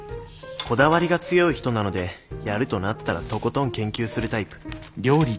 こだわりが強い人なのでやるとなったらとことん研究するタイプ。